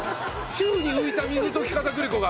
宙に浮いた水溶き片栗粉が。